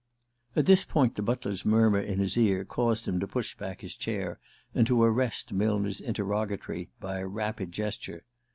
At this point the butler's murmur in his ear caused him to push back his chair, and to arrest Millner's interrogatory by a rapid gesture.